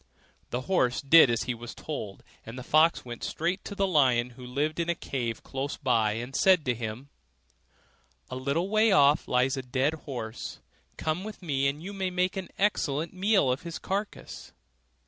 The horse did as he was told, and the fox went straight to the lion who lived in a cave close by, and said to him, 'A little way off lies a dead horse; come with me and you may make an excellent meal of his carcase.